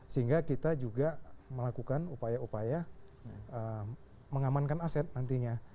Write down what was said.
sehingga kita juga melakukan upaya upaya mengamankan aset nantinya